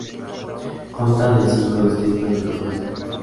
Consta de cinco distritos del congreso.